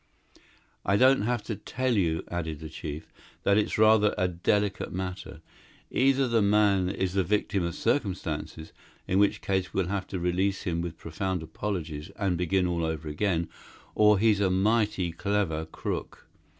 "I don't have to tell you," added the chief, "that it's rather a delicate matter. Either the man is the victim of circumstances in which case we'll have to release him with profound apologies and begin all over again or he's a mighty clever crook.